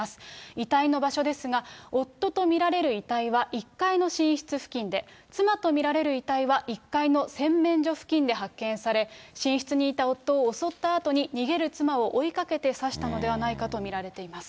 遺体の場所ですが、夫と見られる遺体は、１階の寝室付近で、妻と見られる遺体は１階の洗面所付近で発見され、寝室にいた夫を襲ったあとに、逃げる妻を追いかけて刺したのではないかと見られています。